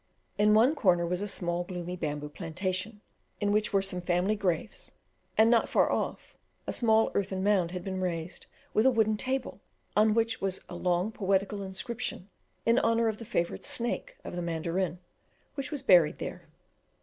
In one corner was a small, gloomy bamboo plantation, in which were some family graves; and not far off a small earthen mound had been raised, with a wooden tablet, on which was a long poetical inscription in honour of the favourite snake of the mandarin, which was buried there.